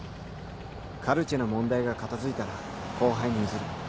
カルチェの問題が片付いたら後輩に譲る。